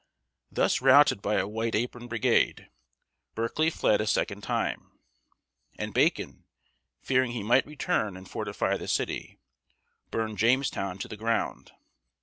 ] Thus routed by a "white apron brigade," Berkeley fled a second time; and Bacon, fearing he might return and fortify the city, burned Jamestown to the ground (1676).